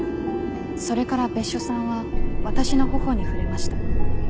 それから別所さんは私の頬に触れました。